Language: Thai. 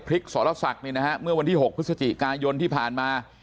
ภิกษ์สรสักนะฮะเมื่อวันที่๖พฤษฎีการยนต์ที่ผ่านมา